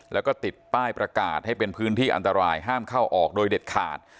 แล้วก็ติดป้ายประกาศให้เป็นพื้นที่อันตรายห้ามเข้าออกโดยเด็ดขาด